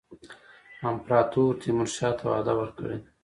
امپراطور تیمورشاه ته وعده ورکړې ده.